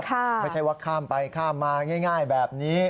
ไม่ใช่ว่าข้ามไปข้ามมาง่ายแบบนี้